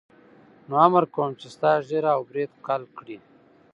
نو امر کوم چې ستا ږیره او برېت کل کړي.